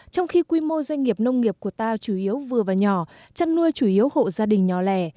trong khi quy mô doanh nghiệp nông nghiệp của ta chủ yếu vừa và nhỏ chăn nuôi chủ yếu hộ gia đình nhỏ lẻ